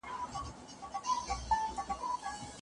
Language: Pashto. ولي هوډمن سړی د لایق کس په پرتله ژر بریالی کېږي؟